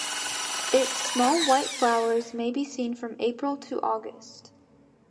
Its small white flowers may be seen from April to August.